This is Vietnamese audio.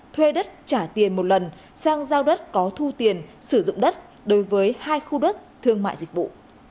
thuê đất trả tiền một lần sang giao đất có thu tiền sử dụng đất đối với hai khu đất thương mại dịch vụ